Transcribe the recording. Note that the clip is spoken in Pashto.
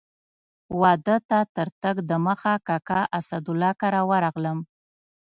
واده ته تر تګ دمخه کاکا اسدالله کره ورغلم.